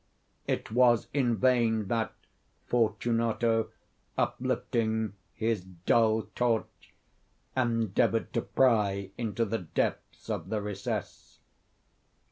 It was in vain that Fortunato, uplifting his dull torch, endeavored to pry into the depths of the recess.